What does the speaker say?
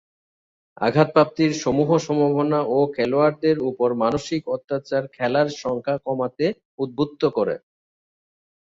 আঘাতপ্রাপ্তির সমূহ সম্ভাবনা ও খেলোয়াড়দের উপর মানসিক অত্যাচার খেলার সংখ্যা কমাতে উদ্বুদ্ধ করে।